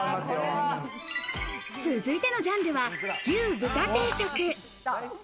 続いてのジャンルは牛・豚定食。